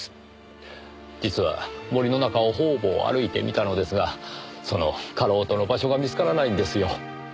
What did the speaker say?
実は森の中を方々歩いてみたのですがそのかろうとの場所が見つからないんですよ。